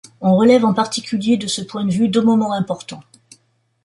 On relève en particulier, de ce point de vue, deux moments importants.